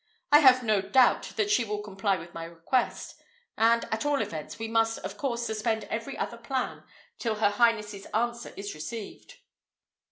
I have no doubt that she will comply with my request; and, at all events, we must, of course, suspend every other plan till her highness's answer is received."